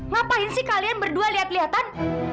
ngapain sih kalian berdua liat liatan